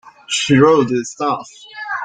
She wrote the stuff.